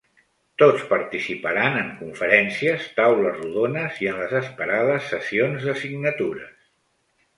Tots participaran en conferències, taules rodones i en les esperades sessions de signatures.